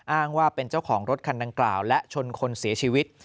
อ้างว่าเป็นเจ้าของรถคันดังกล่าวและชนคนเสียชีวิต